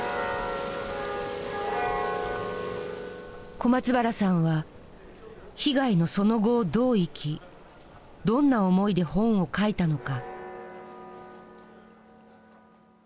小松原さんは被害の「その後」をどう生きどんな思いで本を書いたのか。